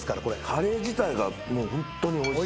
カレー自体がホントにおいしい。